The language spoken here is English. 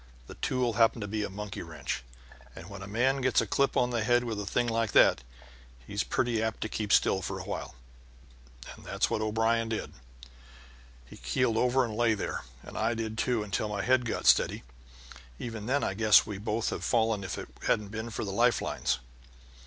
The tool happened to be a monkey wrench, and when a man gets a clip on the head with a thing like that he's pretty apt to keep still for a while. And that's what O'Brien did. He keeled over and lay there, and I did, too, until my head got steady. Even then I guess we'd both have fallen if it hadn't been for the life lines.